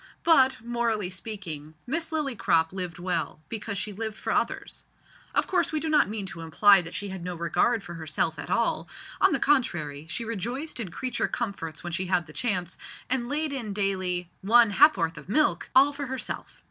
But, morally speaking, Miss Lillycrop lived well, because she lived for others. Of course we do not mean to imply that she had no regard for herself at all. On the contrary, she rejoiced in creature comforts when she had the chance, and laid in daily "one ha'p'orth of milk" all for herself.